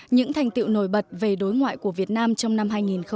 những thành tiệu nổi bật về đối ngoại của việt nam trong năm hai nghìn một mươi chín